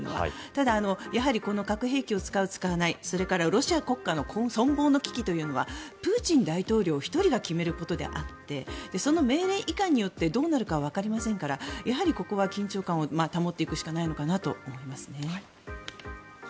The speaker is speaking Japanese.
ただ、やはりこの核兵器を使う使わないそれからロシア国家の存亡の危機というのはプーチン大統領１人が決めることであってその命令いかんによってどうなるかわかりませんからやはりここは緊張感を保っていくしかないのかなと思いますね。